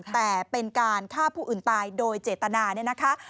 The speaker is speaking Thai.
แต่เป็นการฆ่าผู้อื่นตายโดยเจตนาเนี่ยนะคะ